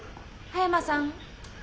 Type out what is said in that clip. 葉山さん！